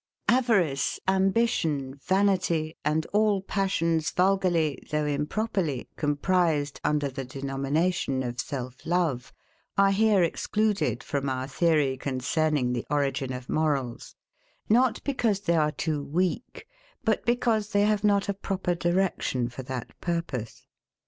Avarice, ambition, vanity, and all passions vulgarly, though improperly, comprised under the denomination of SELF LOVE, are here excluded from our theory concerning the origin of morals, not because they are too weak, but because they have not a proper direction for that purpose.